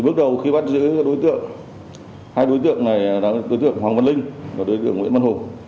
bước đầu khi bắt giữ đối tượng hai đối tượng này là đối tượng hoàng văn linh và đối tượng nguyễn văn hùng